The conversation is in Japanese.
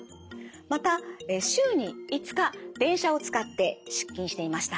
また週に５日電車を使って出勤していました。